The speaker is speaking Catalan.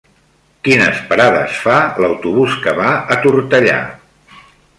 Quines parades fa l'autobús que va a Tortellà?